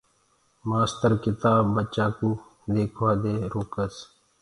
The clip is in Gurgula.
مآستر ڪِتآب ٻچآ ڪوُ ديکوآ دي روڪس۔